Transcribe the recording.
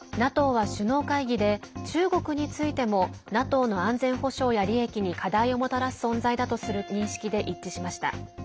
ＮＡＴＯは首脳会議で中国についてもＮＡＴＯの安全保障や利益に課題をもたらす存在だとする認識で一致しました。